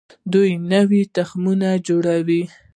دوی نوي تخمونه جوړوي.